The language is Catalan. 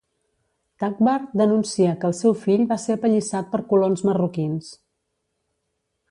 Takbar denuncia que el seu fill va ser apallissat per colons marroquins.